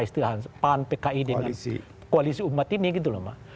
istilah pan pki dengan koalisi umat ini gitu loh mas